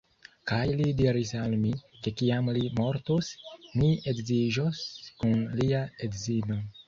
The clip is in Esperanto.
Kaj li diris al mi, ke kiam li mortos, mi edziĝos kun lia edzino.